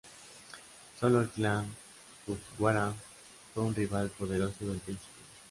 Sólo el clan Fujiwara fue un rival poderoso del príncipe.